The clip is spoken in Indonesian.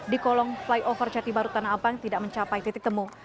di kolong flyover jati baru tanah abang tidak mencapai titik temu